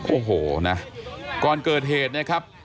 โอ้โหนะก่อนเกิดเหตุเนี่ยครับ